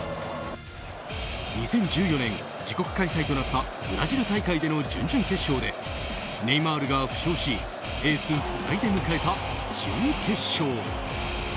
２０１４年、自国開催となったブラジル大会での準々決勝でネイマールが負傷しエース不在で迎えた準決勝。